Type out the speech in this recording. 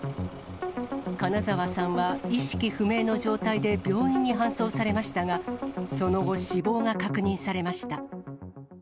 金沢さんは意識不明の状態で病院に搬送されましたが、その後、死亡が確認されました。